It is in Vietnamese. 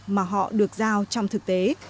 mà họ được giao trong thực tế